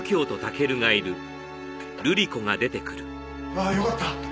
ああよかった！